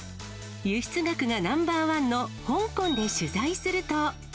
輸出額がナンバーワンの香港で取材すると。